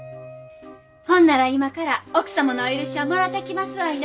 ほんなら今から奥様のお許しをもろうてきますわいな。